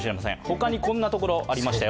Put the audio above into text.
他にこんなところ、ありましたよ。